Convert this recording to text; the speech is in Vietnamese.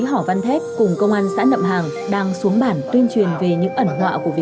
hãy đăng ký kênh để ủng hộ kênh của mình nhé